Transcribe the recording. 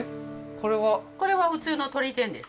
これは普通のとり天です